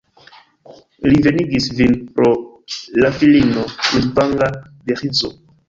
Li venigis vin pro la filino ruĝvanga de Ĥrizo.